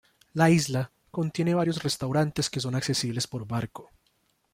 La isla contiene varios restaurantes que son accesibles por barco.